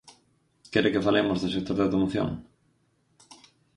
¿Quere que falemos do sector de automoción?